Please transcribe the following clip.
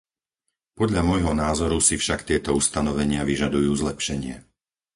Podľa môjho názoru si však tieto ustanovenia vyžadujú zlepšenie.